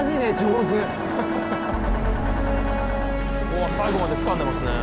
おお最後までつかんでますね。